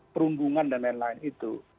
perunggungan dan lain lain itu